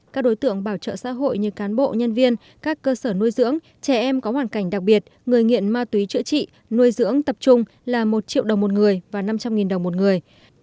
các đối tượng bảo trợ xã hội như cán bộ nhân viên các cơ sở nuôi dưỡng trẻ em có hoàn cảnh đặc biệt người nghiện ma túy chữa trị nuôi dưỡng tập trung là một triệu đồng một người và năm trăm linh đồng một người